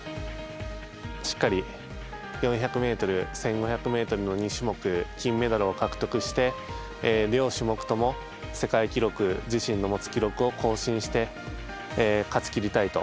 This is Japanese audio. しっかり４００ｍ、１５００ｍの２種目金メダルを獲得して両種目とも世界記録自身の持つ記録を更新して勝ちきりたいと。